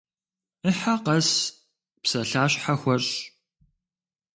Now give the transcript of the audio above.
Ӏыхьэ къэс псалъащхьэ хуэщӏ.